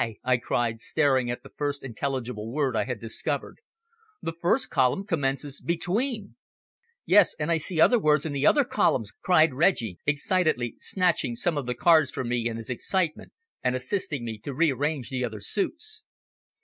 I cried, staring at the first intelligible word I had discovered. "The first column commences `Between.'" "Yes, and I see other words in the other columns!" cried Reggie, excitedly snatching some of the cards from me in his excitement, and assisting me to rearrange the other suites.